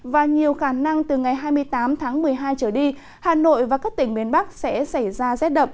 và nhiều khả năng từ ngày hai mươi tám tháng một mươi hai trở đi hà nội và các tỉnh miền bắc sẽ xảy ra rét đậm